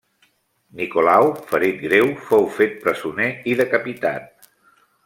Nicolau, ferit greu, fou fet presoner i decapitat.